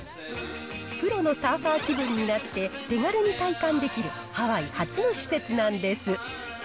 プロのサーファー気分になって、手軽に体感できるハワイ初の施設なんです。